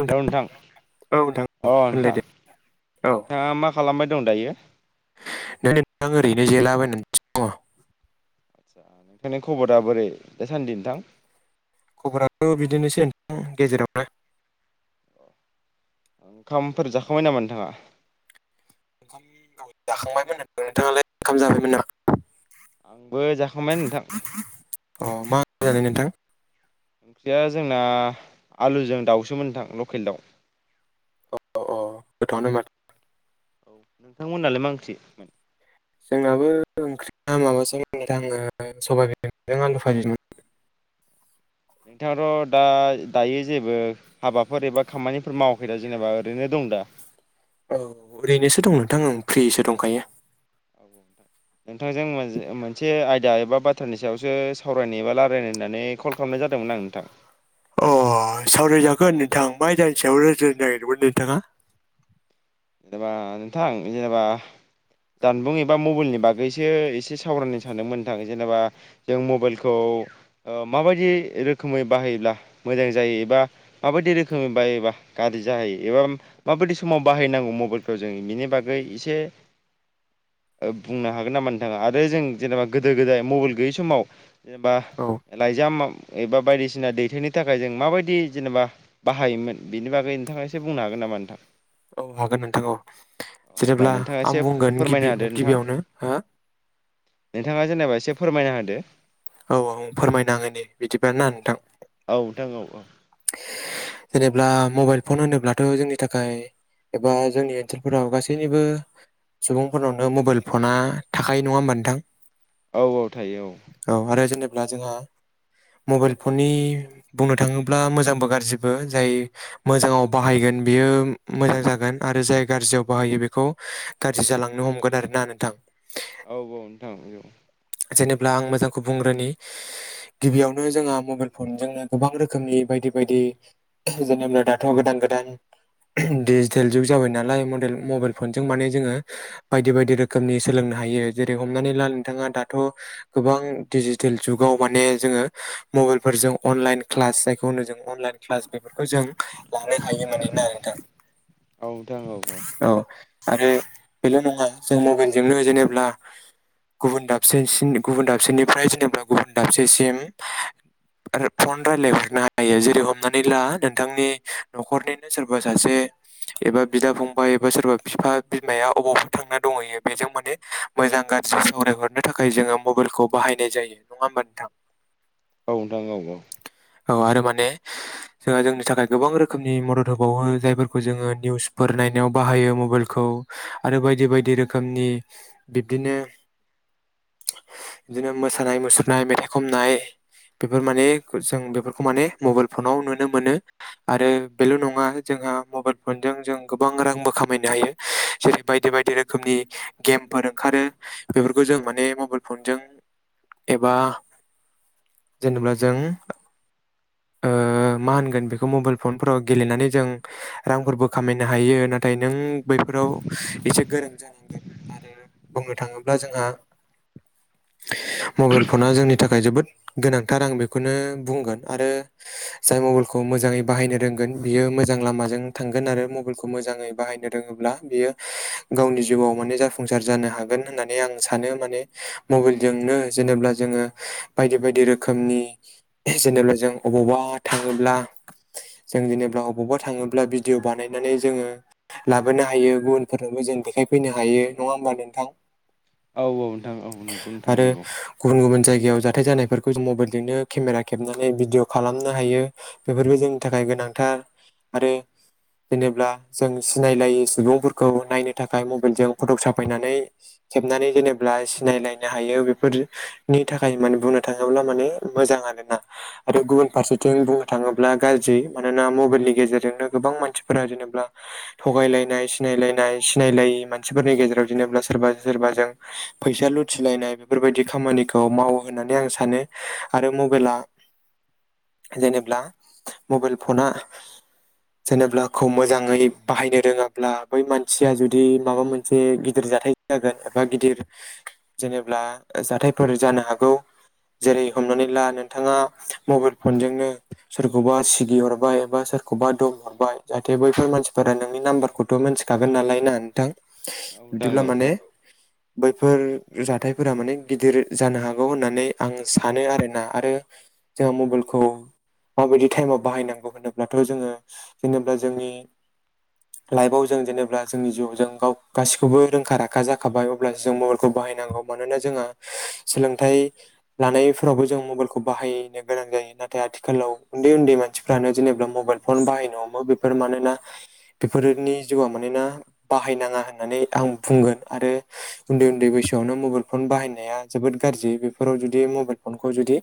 Hello नोंथां औ नोंथां औ अ नोंथां होनलायदो औ नोंथाङा मा खालामबाय दं दायो? [unintelligible] नोंथां ओरैनो जिरायलाबाय नङ। आदसा नोंथांनि खबरा बोरै दासान्दि नथां? खबराथ बिदिनोसै नोंथां गेजेरावनो। ओंखामफोर जाखांबाय नामा नोंथाङा? ओंखाम जाखांबायमोन नोंथाङालाय ओंखाम जाबायमो नामा? आंबो जाखांबाय नोंथां। अ मा ओंख्रि जानाय नोंथां ओंख्रिया जोंना आलुजों दाउसोमोन नोंथां लकेल दाउ। गोथावानो मारो। औ नोंथांमोनलाय मा ओंख्रि मोन? जोंनाबो ओंख्रिया माबासोमोन नोंथां ओ सबायबिमाजों आलु भाजिमोन। [inaudible] [unintelligible] नोंथाङाथ दा दायो जेबो हाबाफोर एबा खामानिफोर मावाखै दा जेनेबा ओरैनो दं। दा? औ ओरैनोसो दं नोंथां आं फ्रिसो दंखायो। औ औ नोंथां। नोंथांजों मोनसे आयदा एबा बाथ्रानि सायावसो सावरायनाय एबा रायलायनो होननानै कल खालामनाय जादोंमोन आं नोंथां‌। अ सावरायजागोन नोंथां मा जान सायाव रोजनो नागिरदोंमोन नोंथाङा? जेनेबा नोंथां जेनेबा औ जानबुं एबा मबाइलनि बागै बगैसो एसे सावरायनो सानदोंमोन नोंथां जेनेबा जों मबाइलखौ माबायदि। रोखोमै बाहायोब्ला मोजां जायो एबा। माबायदि रोखोमनि बायोबा गारज्रि जाहायो एबा माबायदि समाव बाहायनांगौ। मबाइलखौ जों बिनि बागै एसे बुंनो हागोन नामा नोंथाङा आरो जों जेनेबा गोदो गोदाय मबाइल गैयै समाव। जेनेबा औ लाइजाम एबा बायदिसिना दैथोनि थाखाय जों माबायदि जेनेबा बाहायोमोन बिनि बागै नोंथाङा एसे बुंनो हागोन नामा? [unintelligible] [unintelligible] औ हागोन नोंथां औ अ होमबा जेनेब्ला नोंथाङा आं एसे बुंगोन फोरमायना गिबि होदो नोंथां गिबियावनो हो। नोंथाङा जेनेबा एसे फोरमायना होदो। औ आं फोरमायना होनि बिदिबा ना नोंथां। औ नोंथां औ औ जेनेब्ला मबाइल फन होनोब्लाथ' जोंनि थाखाय एबा जोंनि ओनसोलफोराव गासैनिबो सुबुंफोरनावनो मबाइल फना थाखायो नङा होमबा नोंथां। औ औ थायो औ अब्ला जोंहा मबाइल फननि बुंनो थाङो ब्ला मोजांबो गाज्रिबो जाय मोजांआव बाहायगोन बियो मोजां जागोन आरो जाय गारजि जियाव बाहायो बेखौ गाज्रि जालांनो हमगोन आरोना नोंथां। औ औ नोंथां औ जेनेब्ला आं मोजांखौ बुंग्रोनि। गिबियावनो जोंहा मबाइल फनजोंनो गोबां रोखोमनि बायदि बायदि जेनेबा दाथ' गोदान गो दान दिडिजिटेल जुग जाबाय नालाय मदेल मबाइल फनजों माने जोङो बायदि बायदि रोखोमनि सोलों हायो जेरै- हमनानै ला नोंथाङा दा थ' गोबां दिजिथेल जुगाव माने जोङो मबाइल फोरजों अनलाइन ख्लास जायखौ होनो जों अनलाइन ख्लास बे फोरखौ जों लानो हायो माने ना नोंथां। औ आरो बेल' नङा जों मबाइलजोंनो जेनेब्ला गुबुन दा सेसिम गुबुन दाबसेनिफ्राय जेनेबा गुबुन दाबसेसिम आरो फन रायलायहरनो हायो जेरै हमनानै ला नोंथांनि न'खरनिनो सोरबा सासे एबा बिदा फंबाय एबा सोरबा बिफा बिमाया अबावफोरा थांना दंहैयो बेजों माने मो जां गाज्रि सावरायहरनो थाखाय जोङो मबाइलखौ बाहायनाय जायो नङा होमबा नोंथां। औ नोंथां औ औ औ आरो माने जोंहा जोंनि थाखाय गोबां रोखोमनि मदद होबावो जायफोरखौ जोङो निउसफोर नायनायाव बाहायो मबाइलखो खौ आरो बायदि बायदि रोखोमनि बिबदिनो [inaudible] जोङो मोसानाय मुसुरनाय मेथाइ खननाय बेफोर माने जों बेफोरखौ माने मबाइल फनाव नुनो मोनो आरो बेल' नङा जों आ मबाइल फन जों गोबां रांबो खामायनो हायो जेरै- बायदि बायदि रोखोमनि गेमफोर ओंखारो बेफोरखौ जों मा बे मबाइ फनजों एबा जेनेबा जों [inaudible] ओ मा होनगोन बेखौ मबाइल फनफोराव गेलेनानै जों रांफोरबो खामायनो हायो नाथाय नों बैफोराव एसे गोरों जानांगोन आरो बुंनो थाङोब्ला जोंहा [inaudible] मबाइल फना जोंनि थाखाय जोबोद गोनांथार आं बेखौनो बुंगोन आरो जाय मबाइलखौ मोजाङै बाहायनो रोंगोन बियो मोजां लामाजों थांगोन आरो मबाइलखौ मोजाङै बाहायनो रोङोब्ला बियो गावनि जिउआव माने जाफुंसार जानो हागोन होननानै आं सा सानो माने मबाइलजोंनो जेनेबा जोङो बायदि बायदि रोखोमनि जेनेब्ला जों अबावबा थाङोब्ला जों जेनेबा अबावबा थाङोब्ला भिडिअ' बानायनानै जोङो लाबोनो हायो गुबुनफोरनोबो जों देखायफैनो हायो नङा होमबा नोंथां? औ नोंथां औ नंगौ नोंथां आरो नंगौ औ गुबुन गुबुन जाय गायाव जाथाय जानायफोरखौ जों मबाइलजोंनो केमेरा खेबनानै भिडिअ खालामनो हायो बेफोरबो जोंनि थाखाय गोनां नांथार आरो जेनेब्ला जों सिनायलायै सुबुंफोरखौ नायनो थाखाय मबाइलजों फट'ग साफायनानै खेबनानै जेनेब्ला सिनायलायनो हायो बेफोरनि थाखाय माने बुंनो थाङोब्ला माने मोजां आ रोना आरो गुबुन फारसेथिं बुंनो थाङोब्ला गाज्रि मानोना मबाइलनि गेजेरजोंनो गोबां मानसिफोर जेनेब्ला थगायलायनाय सिनायलायनाय सिनायलायि मानसिफोरनि गेजेराव जेनेबा सोरबा सोरबा जों फैसा लुथिलायनाय बेफोरबायदि खामानिखौ मावो होननानै आं सानो आरो मबाइला [inaudible] जेनेब्ला मबाइल फना जेनेाखौ मोजाङै बाहायनो रोङाब्ला बै मानसिया जुदि माबा मोनसे गिदिर जाथाय जागोन एबा गिदिर जेनेब्ला जाथायफोर जानो हागौ जेरै हमनानै ला नोंथाङा मबाइल फनजोंनो सोरखौबा सिगिहरबाय एबा सोरखौबा दं हरबाय जाहाथे बैफोर मानसिफोरा नोंनि नाम्बारखौथ' मिथिखागोन नालाय होनना नोंथां औ नोंथां बिदिब्ला औ माने बैफोर जाथायफोरा माने गिदिर जानो हागौ होननानै आं सानो आरोना आरो जों मबेलखौ माबायदि टाइमाव बाहायनांगौ होनोब्लाथ' जोङो जेनोब्ला जोंनि लाइफआव जों जेनेबा जोंनि जिउआव जों गाव गासिखौबो रोंखारा खा जाखाबाय अब्लासो जों मबेलखौ बाहायनांगौ मानोना जोंहा सोलोंथाइ लानायफोरावबो जो जों मबेलखौ बाहायनो गोनां जायो नाथाय आथिखालाव उन्दै उन्दै मानसिफ्रानो जेनेबा मबेल फन बाहायनो हम बेफोर मानोना बेफोरनि जिउआ मानोना बाहायनाङा होननानै आं बुंगोन आरो उन्दै उन्दै बैसोआवनो मबल फन बाहायनाया जोबोद गाज्रि बेफोराव जुदि मबेल फनखौ जुदि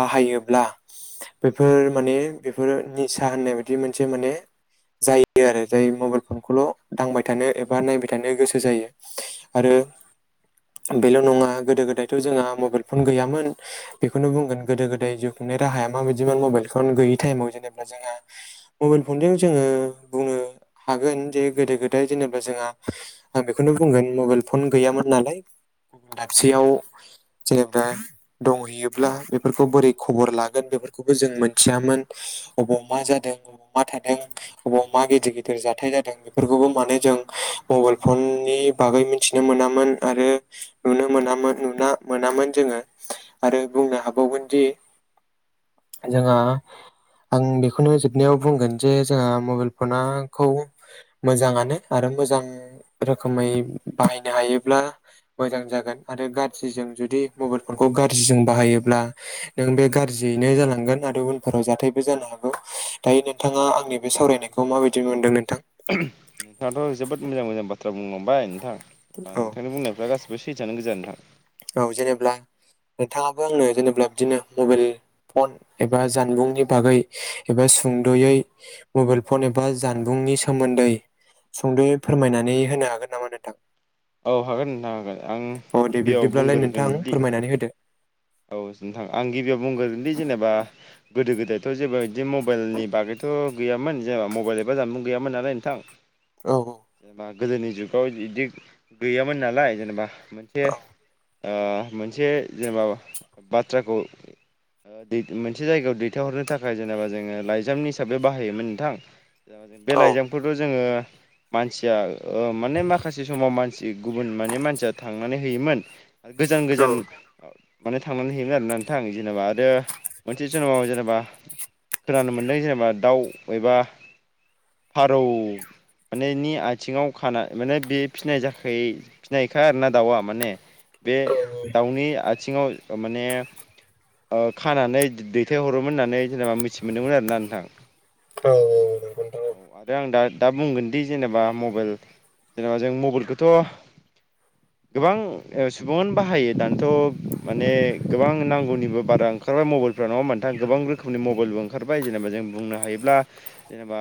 बाहायोब्ला बेफोर माने बेफोर निसा होननाय बायदि मोनसे माने जायो आरो जाय मबेल फनखौल' दांबाय थानो एबा नायबाय थानो गोसो जायो आरो बेल' नङा गोदो गोदायथ' जोंहा मबेल फन गैयामोन बेखौनो बुंगोन गोदो गोदाय जो [unintelligible] [unintelligible] बखौनो बुंगोन मबेल फन गैयामोन नालाय गुबुन दाबसेयाव जेनेबा दंहैयोब्ला बेफोरखौ बोरै खबर लागोन बेफोरखौबो जों मोनथियामोन अबाव मा जादों अबाव मा थादों अबाव मा गिदिर गिदिर जाथाय जादों बेफोरखौबो मानो जों मबेल फन नि बागै मिथिनो मोनामोन आरो नुनो मोनोन मोनामोन जोङो आरो बुंनो हाबावगोन दि [unintelligible] जोंहा आं बेखौनो जोबनायाव बुंगोन जे जोंहा मबेल फना खौ मोजाङानो आरो मोजां रोखोमै बाहायनो हायोब्ला मोजां जागोन आरो गाज्रिजों जुदि मबेल फनखौ गाज्रिजों बाहायोब्ला नों बे गाज्रि जैनो जालांगोन आरो उनफोराव जाथायबो जानो हागौ दायो नोंथाङा आंनि बे सावरायनायखौ माबायदि मोनदों नो नोंथाङाथ' जोबोद मोजां मोजां बाथ्रा बुंलांबाय नोंथां औ नोंथांनि बुंनायफ्रा गासिबो सैथो आनो गोजा नोंथां औ जेनोब्ला नोंथाङाबो आंनो जेनोब्ला बिदिनो मबेल फन एबा जानबुंनि बागै एबा सुंद'यै मबाइल फन एबा जानबुं नि सोमोन्दै सुंद'यै फोरमायनानै होनो हागोन नामा नोंथां औ हागोन नोथां हागोन औ आं दे गिबियाव बिब्दिब्लालाय नोंथां बुंग्रोगोनदि फोरमायनानै होदो औ नोंथां आं गिबियाव बुंग्रोनलै जेनेबा गोदो गोदायथ' जेबो बिदि मबाइलनि बागै थ' गैयामोन जेनेबा मबाइल एबा जानबुं गैयामोन नालाय नोंथां औ औ जेनेबा गोदोनि जुगाव बिदि गैयामोन नालाय जेनेबा औ मोनसे मोनसे जेनेबा बाथ्राखौ मोनसे जायगायाव दैथायहरनो थाखाय जेनेबा जोङो लाइजामनि हिसाबै बाहायोमोन नोंथां बे लाइजांफोरथ' जोङो मानसिया माने माखासे समाव मानसि गुबुन माने मानसिया थांनानै होयोमोन आरो गोजान औ गोजान माने थांनानै हैयोमोन आरो ना नोंथां जेनेबा आरो मोनसे जोनोमाव जेनेबा खोनानो मोननाय जेनेबा दाउ एबा फारौ माने नि आथिङाव खाना माने बे फिनाय जाखायो फिनायखा आरो ना दाउआ माने बे दाउनि आथिङाव माने खानानै दैथायहरोमोन होननानै जेनेबा मिथि मोनदोंमोन आरोना नोंथां औ औ आरो आं दा दा बुंगोनदि जेनेबा मबाइल जेनेबा जों मबाइलखौथ' गोबां सुबङानो बाहायो दानाथ' माने गोबां नांगौनिबो बारा ओंखारबाय मबाइलफ्रा नङा होनबा नोंथां गोबां रोखोमनि मबाइलबो ओंखारबाय जेनेबा जों बुंनो हायोब्ला जेनेबा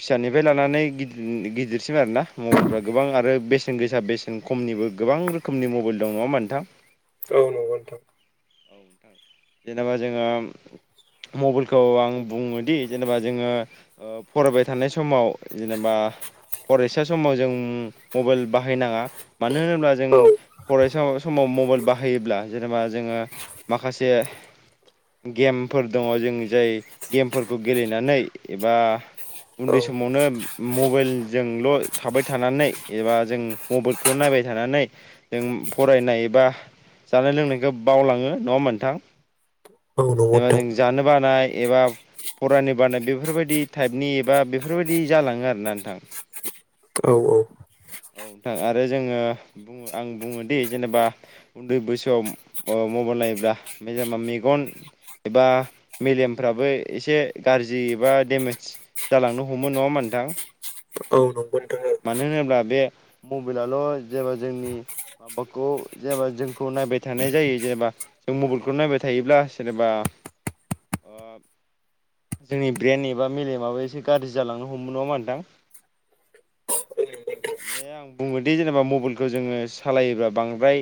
फिसानिफ्राय लानानै गिदिरसिम आरोना मबाइलफ्रा गोबां आरो बेसेन गोसा दा बेसेन खमनिबो गोबां रोखोमनि मबाइल दं नङा होनबा नोंथां औ न'गौ नोंथां औ नोंथां। जेनेबा जोङो मबाइलखौ आं बुङोदि जेनेबा जोङो फरायबाय थानाय समाव जेनेबा फरायसा समाव जों मबाइल बाहायनाङा मानो होनोब्ला जों फरायसा समाव मबाइल बायोब्ला जेनेबा जोङो माखासे गेमफोर दङ जों जाय गेमफोरखौ गेलेनानै एबा औ उन्दै समावनो मबाइलजोंल' थाबाय थानानै एबा जों मबाइलखौल' नायबाय थानानै जों फरायनाय एबा जानाय लोंनायखौ बावलाङो नङा होनबा नोंथां औ नंगौ जेनेबा नोंथां जों जानो बानाय एबा फरानि बानाय बेफोरबायदि टाइपनि एबा बेफोरबायदि जालाङो आरोना नोंथां औ औ औ नोंथां आरो जोङो बो आं बुङोदि जेनेबा उन्दै बैसोआव मबाइल नायोब्ला ओमफाय जेनेबा मेगन एबा मेलेमफ्राबो एसे गाज्रि एबा डेमेज जालांनो हमो नङा होमबा दाउ औ नंगौ नोंथां मानो होनोब्ला बे मबाइलआल' जेब्ला जोंनि माबाखौ जेनेबा जोंखौ नायबाय थानाय जायो जेनेबा जों मबाइलखौ नायबाय थायोब्ला जेनेबा जोंनि ब्रेन्ड एबा मेलेमाबो एसे गाज्रि जालांनो हमो नङा होमबा नोंथां [inaudible] मे आं बुङोदि जेनेबा मबाइलखौ जोङो सालायोब्लाा बांद्राय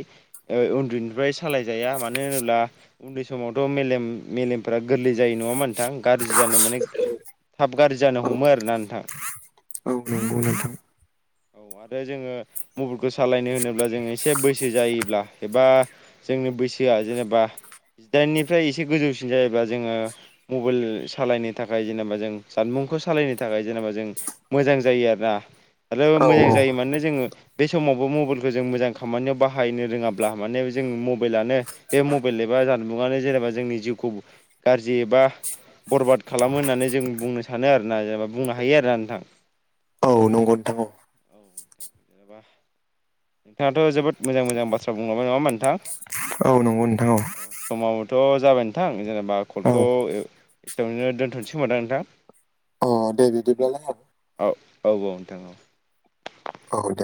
उन्दैनिफ्राय सालायजाया मानो होनोब्ला उन्दै समावथ' मेलेम मेलेमफोरा गोरलै जायो नङा होमबा नोंथां गाज्रि जानो माने थाब गाज्रि जानो हमो आरोना नोंथां औ नंगौ नोंथां औ आरो जोङो मबाइलखौ सालायनो होनोब्ला जोङ एसे बैसो जायोब्ला एबा जोंनो बैसोआ जेनेबा जिदाइननिफ्राय एसे गोजौसिन जायोबा जोङो मबाइल सालायनो थाखाय जेनेबा जों जानबुंखौ सालायनो थाखाय जेनेबा जों मोजां जायो आरो ना आरो औ मोजां जायो माने जोङो बे समावबो मबाइलखौ जों मोजां खामानियाव बाहायनो रोङाब्ला माने जों मबाइलानो बे मबाइल एबा जानबुंआनो जेनेबा जोंनि जिउखौ गाज्रि एबा बरबाद खालामो होननानै जों बुंनो सानो आरोना जेनेबा बुंनो हायो आरोना नोंथां। औ नंगौ नोंथां ओ। औ नोंथां जेनेबा नोंथाङाथ' जोबोद मोजां-मोजां बाथ्रा बुंलबाय नङाहोमबा नोंथां। औ नंगौ नोंथां औ समाबोथ' जाबाय नोंथां जेनेबा कलखौ औ एसेयावनो दोन्थ'नोसै खोमोनदां नोंथां। [unintelligible] अ दे बिदिब्लालाय हाबाय औ औ औ नोंथां औ। औ औ दे